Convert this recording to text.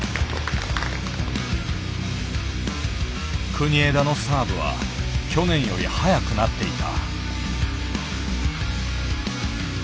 国枝のサーブは去年より速くなっていた。